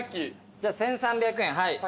じゃあ１，３００円はい。